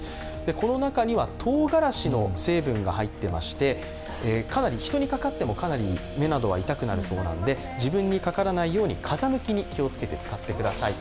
この中にはとうがらしの成分が入ってまして人にかかっても、かなり目などは痛くなるそうなので、自分にかからないように、風向きに気をつけて使ってくださいと。